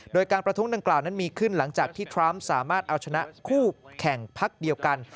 โดยการประท้วงดังกล่าวนั้นมีขึ้นหลังจากที่ทรัมป์สามารถเอาชนะคู่แข่งพักเดียวกัน